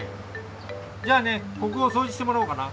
じゃあねここをそうじしてもらおうかな！